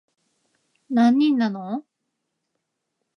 何人なの